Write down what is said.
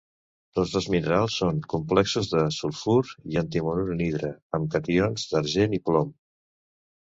Tots dos minerals són complexos de sulfur i antimonur anhidre amb cations d'argent i plom.